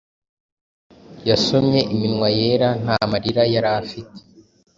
Yasomye iminwa yera; nta marira yari afite;